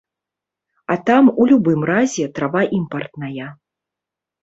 А там у любым разе трава імпартная.